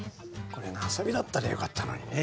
これが遊びだったらよかったのにね